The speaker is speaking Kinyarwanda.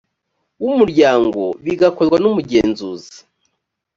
w umuryango bigakorwa n umugenzuzi